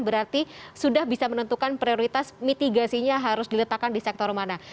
berarti sudah bisa menentukan prioritas mitigasinya harus diletakkan di sektor mana